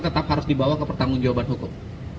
tetap harus dibawa ke pertanggung jawaban hukum